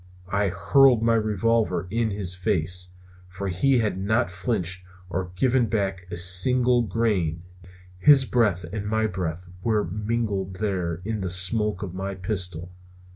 I hurled my revolver in his face, for he had not flinched or given back a single grain. His breath and my breath were mingled there in the smoke of my pistol.